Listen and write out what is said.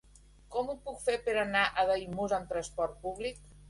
Com ho puc fer per anar a Daimús amb transport públic?